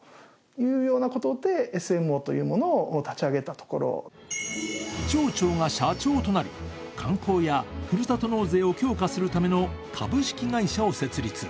町長に話を聞くと町長が社長となり、観光やふるさと納税を強化するための株式会社を成立。